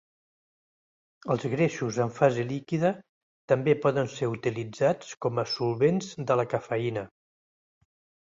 Els greixos en fase líquida també poden ser utilitzats com a solvents de la cafeïna.